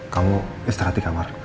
kamu istirahat di kamar